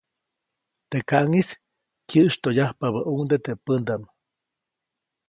Teʼ kaʼŋis kyäʼsytyoʼbyabäʼuŋ teʼ pädaʼm.